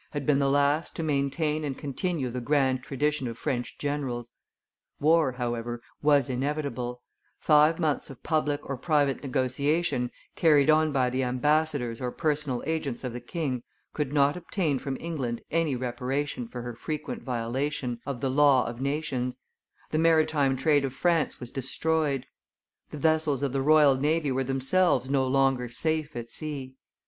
had been the last to maintain and continue the grand tradition of French generals. War, however, was inevitable; five months of public or private negotiation, carried on by the ambassadors or personal agents of the king, could not obtain from England any reparation for her frequent violation of the law of nations; the maritime trade of France was destroyed; the vessels of the royal navy were themselves no longer safe at sea.